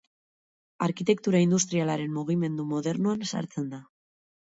Arkitektura industrialaren mugimendu modernoan sartzen da.